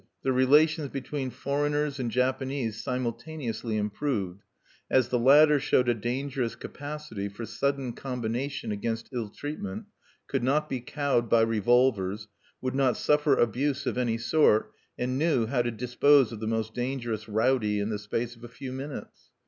The relations between foreigners and Japanese simultaneously improved, as the latter showed a dangerous capacity for sudden combination against ill treatment, could not be cowed by revolvers, would not suffer abuse of any sort, and knew how to dispose of the most dangerous rowdy in the space of a few minutes.